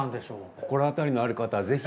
心当たりのある方はぜひ。